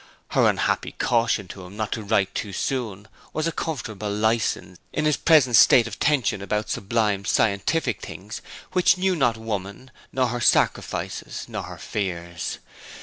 Her unhappy caution to him not to write too soon was a comfortable license in his present state of tension about sublime scientific things, which knew not woman, nor her sacrifices, nor her fears.